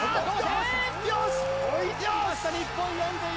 よし！